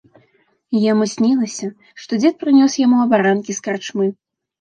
Яму снілася, што дзед прынёс яму абаранкі з карчмы.